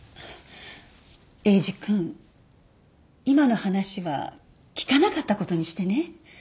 エイジ君今の話は聞かなかったことにしてね。